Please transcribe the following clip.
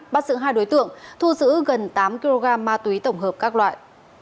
bắt giữ hai đối tượng thu giữ gần tám kg ma túy tổng hợp các loại